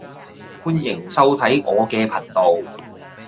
歡迎收睇我嘅頻道